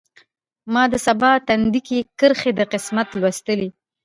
ما د سبا تندی کې کرښې د قسمت لوستلي